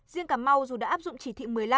riêng cà mau dù đã áp dụng chỉ thị một mươi năm